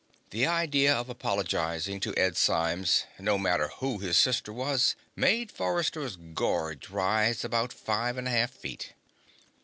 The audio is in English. The idea of apologizing to Ed Symes, no matter who his sister was, made Forrester's gorge rise about five and a half feet.